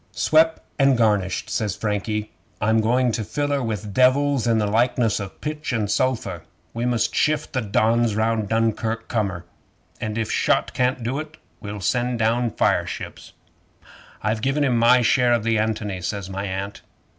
'"Swep' an' garnished," says Frankie. "I'm going to fill her with devils in the likeness o' pitch and sulphur. We must shift the Dons round Dunkirk corner, and if shot can't do it, we'll send down fireships." '"I've given him my share of the ANTONY," says my Aunt.